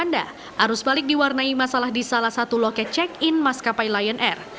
arus balik diwarnai masalah di salah satu loket check in maskapai lion air